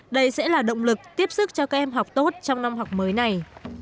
đây sẽ là động lực tiếp sức cho các em học tốt trong năm học mới này